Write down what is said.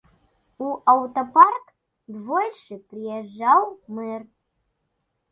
У аўтапарк двойчы прыязджаў мэр.